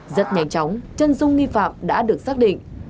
rất nhanh chóng chân dung nghi phạm đã được xác định